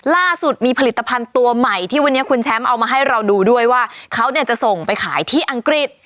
ล่าสุดมีผลิตภัณฑ์ตัวใหม่ที่วันนี้คุณแชมป์เอามาให้เราดูด้วยว่าเขาเนี่ยจะส่งไปขายที่อังกฤษ